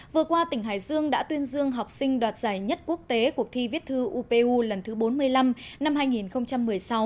vừa qua tỉnh hải dương đã tuyên dương học sinh đoạt giải nhất quốc tế cuộc thi viết thư upu lần thứ bốn mươi năm năm hai nghìn một mươi sáu